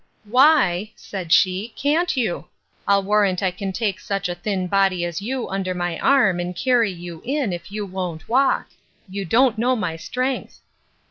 —Why, said she, can't you? I'll warrant I can take such a thin body as you under my arm, and carry you in, if you won't walk. You don't know my strength.